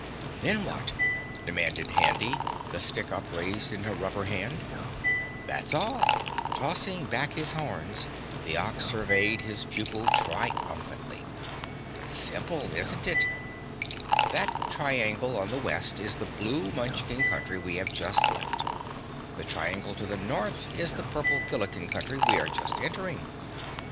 "Then what?" demanded Handy, the stick upraised in her rubber hand. "That's all!" Tossing back his horns, the Ox surveyed his pupil triumphantly. "Simple, isn't it? That triangle on the west is the blue Munchkin Country we have just left, the triangle to the north is the purple Gillikin Country we are just entering.